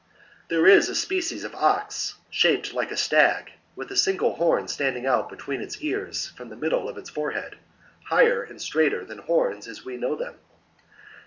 26. J There is a species of ox, shaped like a stag, with a single horn standing out between its ears from the middle of its forehead, higher and straighter than horns as we know them.